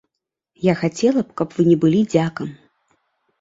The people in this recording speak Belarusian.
Я хацела б, каб вы не былі дзякам.